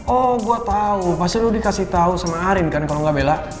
oh gue tau pasti lo dikasih tau sama arin kan kalau nggak bella